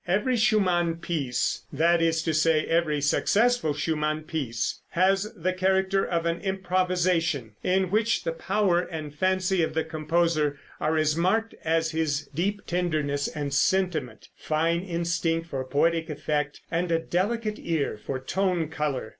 Every Schumann piece that is to say, every successful Schumann piece has the character of an improvisation, in which the power and fancy of the composer are as marked as his deep tenderness and sentiment, fine instinct for poetic effect and a delicate ear for tone color.